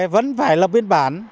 vẫn phải lập viên bản